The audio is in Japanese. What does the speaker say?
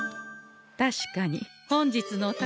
確かに本日のお宝